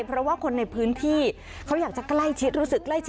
เพราะว่าคนในพื้นที่เขาอยากจะใกล้ชิดรู้สึกใกล้ชิด